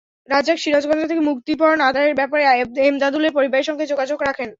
রাজ্জাক সিরাজগঞ্জে থেকে মুক্তিপণ আদায়ের ব্যাপারে এমদাদুলের পরিবারের সঙ্গে যোগাযোগ রাখেন।